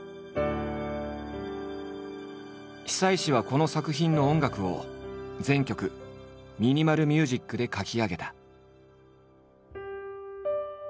久石はこの作品の音楽を全曲ミニマル・ミュージックで書き上げた。